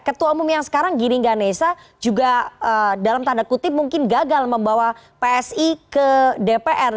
ketua umum yang sekarang giring ganesa juga dalam tanda kutip mungkin gagal membawa psi ke dpr